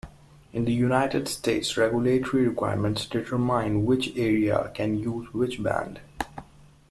In the United States, regulatory requirements determine which area can use which band.